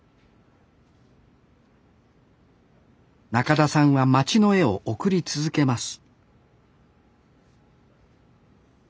なかださんは街の絵を送り続けます